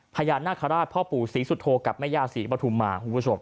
พญานาคาราชพ่อปู่ศรีสุธโธกับแม่ย่าศรีปฐุมมา